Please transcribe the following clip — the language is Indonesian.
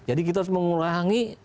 jadi kita harus mengulangi